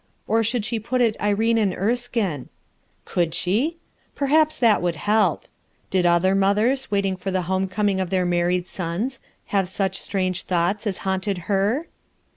Or should she put it. "Irene and Erskine"? Could she? Perhaps that would help. Did other mothers, waiting for the home coming of their married sons, have such strange thoughts as haunted her?